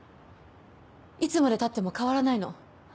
いつまでたっても変わらないの。